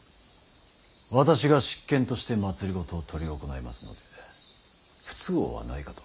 私が執権として政を執り行いますので不都合はないかと。